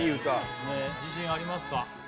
自信ありますか？